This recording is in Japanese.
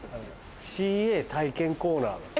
「ＣＡ体験コーナー」。